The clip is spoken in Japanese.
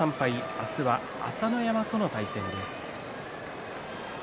明日は朝乃山との対戦です。